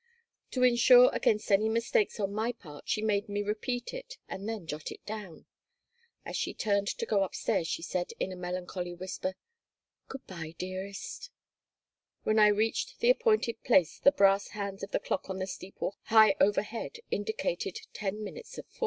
To insure against any mistakes on my part she made me repeat it and then jot it down. As she turned to go upstairs she said, in a melancholy whisper: "Good by, dearest." When I reached the appointed place the brass hands of the clock on the steeple high overhead indicated ten minutes of 4.